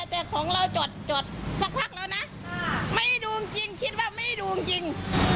แต่ของเราจดจดสักพักแล้วนะไม่ดูจริงคิดว่าไม่ดูจริง